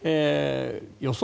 予想